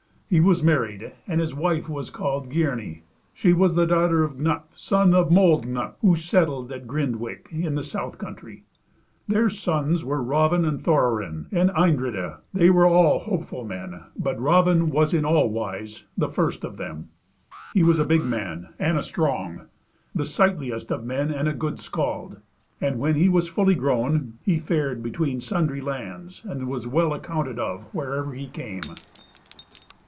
He was married, and his wife was called Geirny. She was the daughter of Gnup, son of Mold Gnup, who settled at Grindwick, in the south country. Their sons were Raven, and Thorarin, and Eindridi; they were all hopeful men, but Raven was in all wise the first of them. He was a big man and a strong, the sightliest of men and a good skald; and when he was fully grown he fared between sundry lands, and was well accounted of wherever he came.